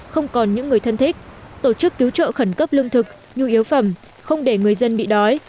không còn những người thân thích tổ chức cứu trợ khẩn cấp lương thực nhu yếu phẩm không để người dân bị đói